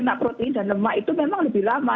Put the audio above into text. nah protein dan lemak itu memang lebih lama